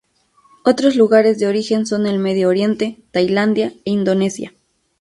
Otros lugares de origen son el Medio Oriente, Tailandia e Indonesia.